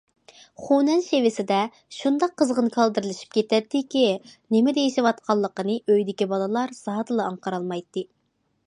خۇنەن شېۋىسىدە شۇنداق قىزغىن كالدىرلىشىپ كېتەتتىكى، نېمە دېيىشىۋاتقانلىقىنى ئۆيدىكى بالىلار زادىلا ئاڭقىرالمايتتى.